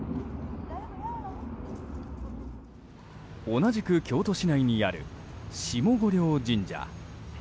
同じく京都市内にある下御領神社。